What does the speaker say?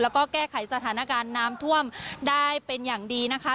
แล้วก็แก้ไขสถานการณ์น้ำท่วมได้เป็นอย่างดีนะคะ